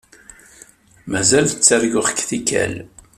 Mazal ttarguɣ-k tikkal.